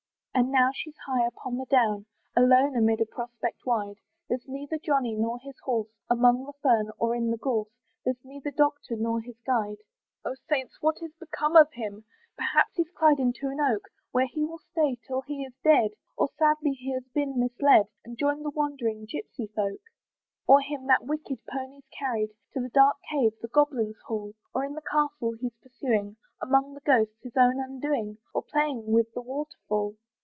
And now she's high upon the down, Alone amid a prospect wide; There's neither Johnny nor his horse, Among the fern or in the gorse; There's neither doctor nor his guide. "Oh saints! what is become of him? "Perhaps he's climbed into an oak, "Where he will stay till he is dead; "Or sadly he has been misled, "And joined the wandering gypsey folk. "Or him that wicked pony's carried "To the dark cave, the goblins' hall, "Or in the castle he's pursuing, "Among the ghosts, his own undoing; "Or playing with the waterfall."